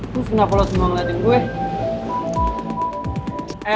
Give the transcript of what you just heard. lu kenapa lo semua ngeliatin gue